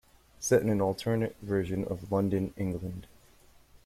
Set in an alternate version of London, England.